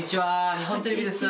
日本テレビです。